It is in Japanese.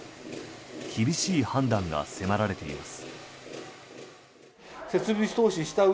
厳しい判断が迫られています。